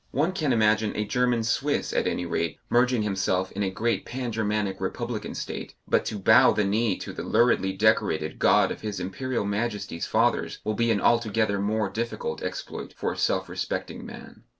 One can imagine a German Swiss, at any rate, merging himself in a great Pan Germanic republican state, but to bow the knee to the luridly decorated God of His Imperial Majesty's Fathers will be an altogether more difficult exploit for a self respecting man....